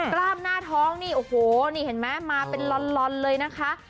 กล้ามหน้าท้องนี่โอ้โหนี่เห็นไหมมาเป็นลอนเลยนะคะ